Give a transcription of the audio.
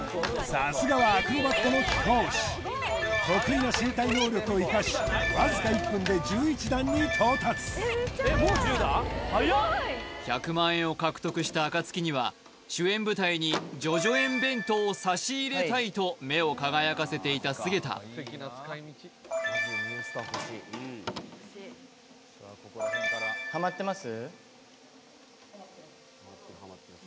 さすがはアクロバットの貴公子得意な身体能力を生かしわずか１分で１１段に到達１００万円を獲得した暁には主演舞台に叙々苑弁当を差し入れたいと目を輝かせていた菅田ハマってます